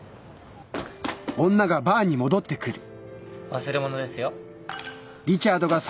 忘れ物ですよ。